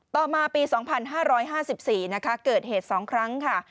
ต่อมาปี๒๕๕๔เกิดเหตุ๒ครั้ง